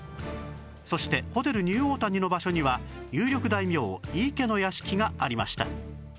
そしてホテルニューオータニの場所には有力大名井伊家の屋敷がありました